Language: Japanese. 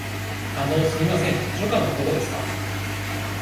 あの、すみません。図書館はどこですか。